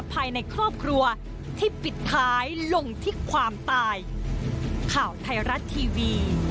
โปรดติดตามตอนต่อไป